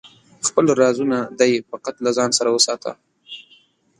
خپل رازونه دی فقط له ځانه سره وساته